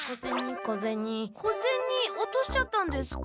小ゼニ落としちゃったんですか？